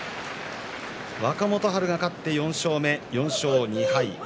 若元春勝って４勝目４勝２敗です。